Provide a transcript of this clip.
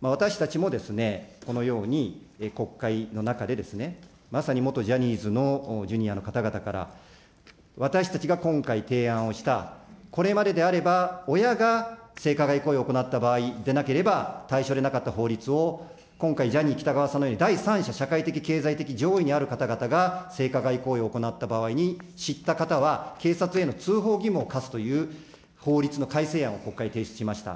私たちもこのように、国会の中でまさに元ジャニーズのジュニアの方々から私たちが今回、提案をした、これまでであれば、親が性加害行為を行った場合でなければ、対象でなかった法律を今回、ジャニー喜多川さんのような第三者が上位にある方々が性加害行為を行った場合に知った方は警察への通報義務を課すという法律の改正案を国会提出しました。